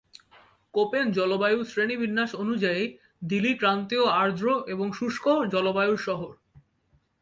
Copen জলবায়ু শ্রেণিবিন্যাস অনুযায়ী দিলি ক্রান্তীয় আর্দ্র এবং শুষ্ক জলবায়ুর শহর।